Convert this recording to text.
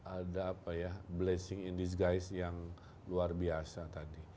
ada blessing in disguise yang luar biasa tadi